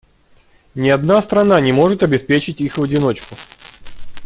Ни одна страна не может обеспечить их в одиночку.